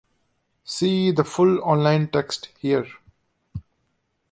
See the full online text here.